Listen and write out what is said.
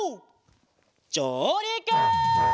じょうりく！